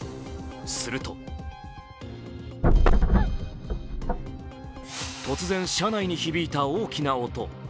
すると突然、車内に響いた大きな音。